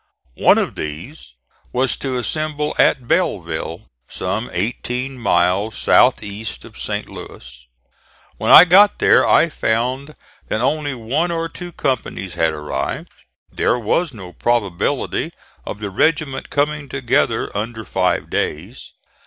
One of these was to assemble at Belleville, some eighteen miles south east of St. Louis. When I got there I found that only one or two companies had arrived. There was no probability of the regiment coming together under five days.